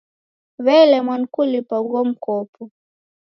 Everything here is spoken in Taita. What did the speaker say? W'elemwa ni kulipa ugho mkopo.